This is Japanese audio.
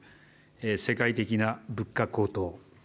世界的な物価高騰。